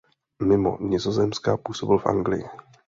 Mimo Nizozemska působil v Anglii.